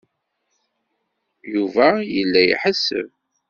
Yuba yella iḥesseb.